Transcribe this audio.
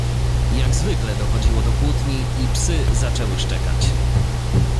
"Jak zwykle dochodziło do kłótni i psy zaczęły szczekać."